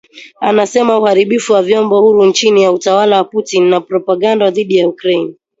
Anasema uharibifu wa vyombo huru chini ya utawala wa Putin na propaganda dhidi ya Ukraine